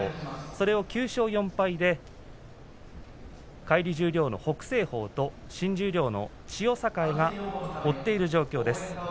それを９勝４敗で返り十両の北青鵬と新十両の千代栄が追っている状況です。